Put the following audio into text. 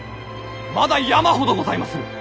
まだ山ほどございまする！